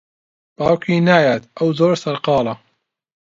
باوکی نایەت، ئەو زۆر سەرقاڵە.